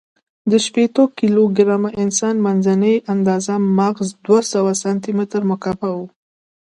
د شپېتو کیلو ګرامه انسان، منځنۍ آندازه مغز دوهسوه سانتي متر مکعب و.